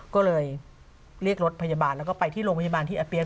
ก็เลยเรียกรถพยาบาลแล้วก็ไปที่โรงพยาบาลที่อาเปี๊ยก